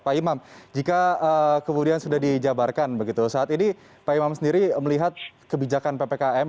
pak imam jika kemudian sudah dijabarkan begitu saat ini pak imam sendiri melihat kebijakan ppkm